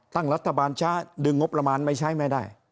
ตั้งรัฐบาลช้าดึงงบประมาณไม่ใช้ไม่ได้